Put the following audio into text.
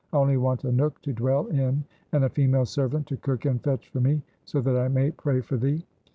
I only want a nook to dwell in and a female servant to cook and fetch for me so that I may pray for thee.'